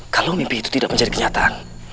kalau mimpi itu tidak menjadi kenyataan